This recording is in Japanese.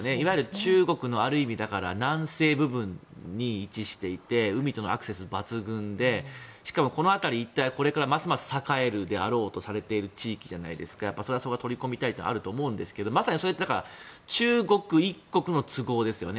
中国のいわゆる南西部分に位置していて海とのアクセスが抜群でしかもこの辺り一帯はこれからますます栄えるであろうとされている地域でそれは取り込みたいというのはあると思いますけどでもまさに、それは中国一国の都合ですよね。